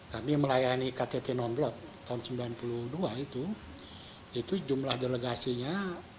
kami melayani ktt non blok tahun sembilan puluh dua itu itu jumlah delegasinya